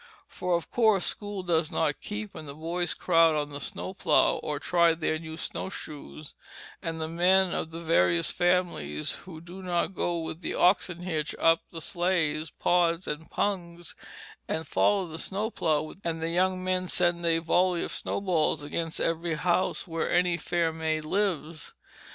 For of course school does not keep, and the boys crowd on the snow plough or try their new snowshoes, and the men of the various families who do not go with the oxen hitch up the sleighs, pods, and pungs and follow the snow plough, and the young men send a volley of snowballs against every house where any fair maid lives.